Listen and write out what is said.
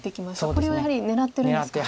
これはやはり狙ってるんですか。